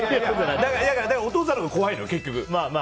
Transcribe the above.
お父さんのほうが怖いのよ、結局。